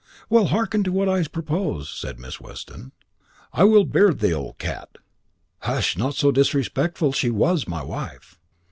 "Well, hearken to what I propose," said Miss Weston. "I will beard the old cat " "Hush, not so disrespectful; she was my wife."